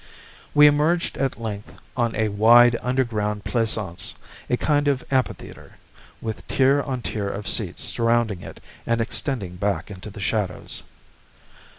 We emerged at length on a wide underground plaisance, a kind of amphitheater, with tier on tier of seats surrounding it and extending back into the shadows.